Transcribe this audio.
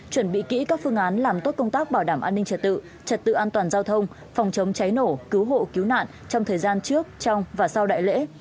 chuẩn bị kỹ các phương án làm tốt công tác bảo đảm an ninh trật tự trật tự an toàn giao thông phòng chống cháy nổ cứu hộ cứu nạn trong thời gian trước trong và sau đại lễ